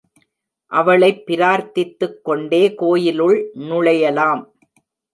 அவளைப் பிரார்த்தித்துக் கொண்டே கோயிலுள் நுழையலாம்.